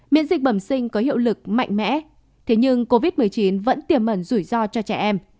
miễn dịch bẩm sinh có hiệu lực mạnh mẽ thế nhưng covid một mươi chín vẫn tiềm mẩn rủi ro cho trẻ em